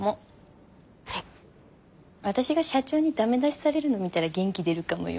私が社長に駄目出しされるの見たら元気出るかもよ。